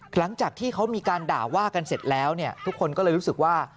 หลังจากที่เขามีการด่าว่ากันเสร็จแล้วเนี่ยทุกคนก็เลยรู้สึกว่า